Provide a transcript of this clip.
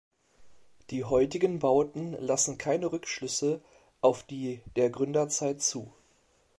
Die heutigen Bauten lassen keine Rückschlüsse auf die der Gründerzeit zu.